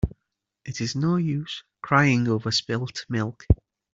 It is no use crying over spilt milk.